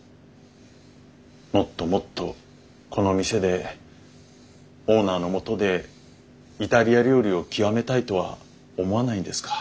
もっともっとこの店でオーナーのもとでイタリア料理を極めたいとは思わないんですか？